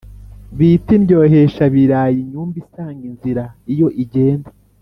Bita "Indyohesha-birayi!"Inyumba isanga inzira iyo igenda,